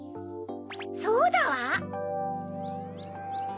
そうだわ！